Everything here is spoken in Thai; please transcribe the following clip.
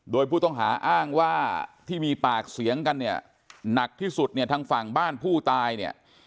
โดยผู้ต้องหาอ้างว่าที่มีปากเสียงกันเนี่ยหนักที่สุดเนี่ยทางฝั่งบ้านผู้ตายเนี่ย